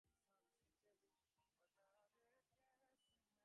এমনকি শুনানির যে তারিখ দেওয়া হচ্ছে, তাও এক দুই মাস পর।